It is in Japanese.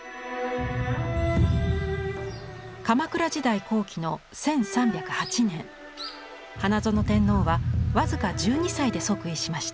鎌倉時代後期の１３０８年花園天皇は僅か１２歳で即位しました。